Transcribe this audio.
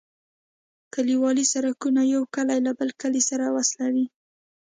کليوالي سرکونه یو کلی له بل کلي سره وصلوي